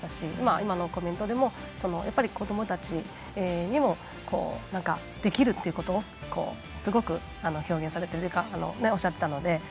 今のコメントでも子どもたちにもできるということをすごく表現されているとおっしゃっていたので。